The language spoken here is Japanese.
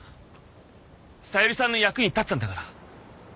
小百合さんの役に立てたんだから。